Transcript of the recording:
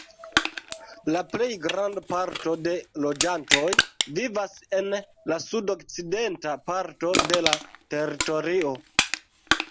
La plej granda parto de loĝantoj vivas en la sud-okcidenta parto de la teritorio.